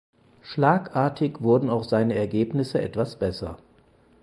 Schlagartig wurden auch seine Ergebnisse etwas besser.